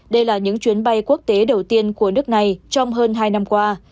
đây là những chuyến bay quốc tế đầu tiên của nước này trong hơn hai năm qua